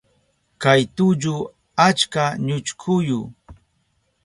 Kay tullu achka ñuchkuyu.